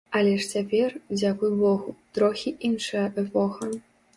Але ж цяпер, дзякуй богу, трохі іншая эпоха.